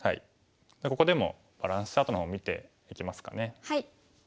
ここでもバランスチャートの方見ていきますかね。